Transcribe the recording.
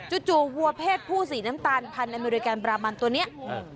จู่วัวเพศผู้สีน้ำตาลพันธุ์อเมริกันบรามันตัวนี้